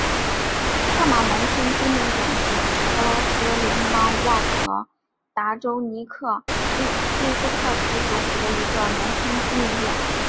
克马农村居民点是俄罗斯联邦沃洛格达州尼科利斯克区所属的一个农村居民点。